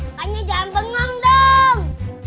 makanya jangan bengong dong